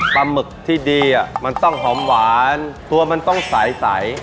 หมึกที่ดีมันต้องหอมหวานตัวมันต้องใส